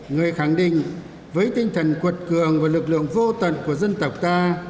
người khẳng định với tinh thần quật cường và lực lượng vô tận của dân tộc ta